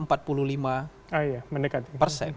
ah iya mendekati